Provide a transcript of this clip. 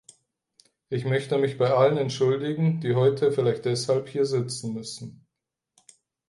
Ich möchte mich bei allen entschuldigen, die heute vielleicht deshalb hier sitzen müssen.